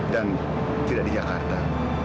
dan tidak di jakarta